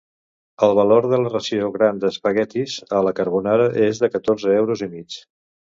El valor de la ració gran d'espaguetis a la carbonara és de catorze euros i mig.